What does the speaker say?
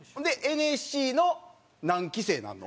ＮＳＣの何期生になるの？